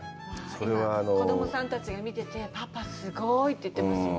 子供さんたちが見てて、パパすごいって言ってますよ。